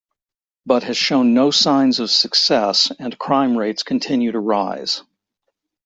But has shown no signs of success and crime rates continue to rise.